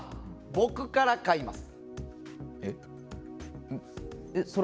僕から買います。